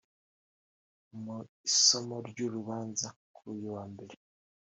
Mu isomwa ry’urubanza kuri uyu wa Mbere